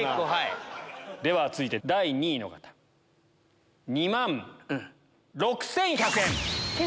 では続いて第２位の方２万６１００円。